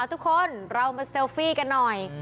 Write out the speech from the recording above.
ทุกคนเรามาเซลฟี่กันหน่อย